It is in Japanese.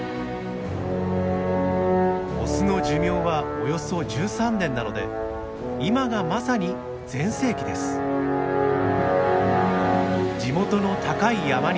オスの寿命はおよそ１３年なので今がまさに全盛期です。